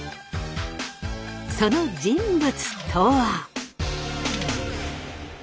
その人物とは。